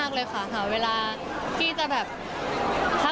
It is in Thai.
ปกติของเราเลยค่ะ